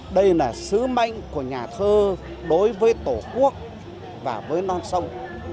đây là sứ mệnh của nhà thơ đối với tổ quốc và với non sông